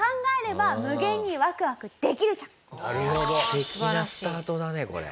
素敵なスタートだねこれ。